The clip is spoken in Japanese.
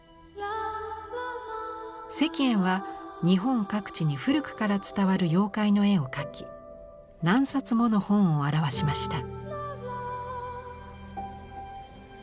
石燕は日本各地に古くから伝わる妖怪の絵を描き何冊もの本を著しました。